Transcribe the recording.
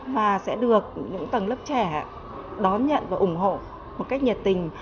và sẽ được những tầng lớp trẻ đón nhận và ủng hộ một cách nhiệt tình